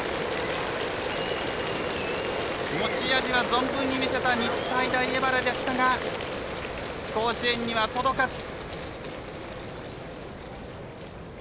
持ち味は存分に見せた日体大荏原でしたが甲子園には届かず。